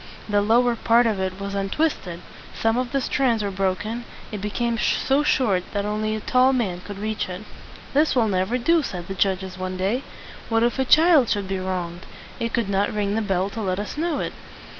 The lower part of it was un twist ed; some of the strands were broken; it became so short that only a tall man could reach it. "This will never do," said the judges one day. "What if a child should be wronged? It could not ring the bell to let us know it."